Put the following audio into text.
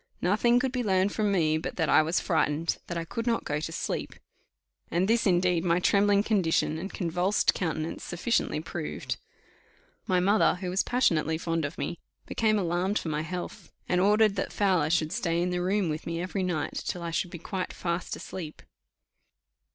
Nothing could be learned from me but that "I was frightened," that "I could not go to sleep;" and this, indeed, my trembling condition, and convulsed countenance, sufficiently proved. My mother, who was passionately fond of me, became alarmed for my health, and ordered that Fowler should stay in the room with me every night till I should be quite fast asleep.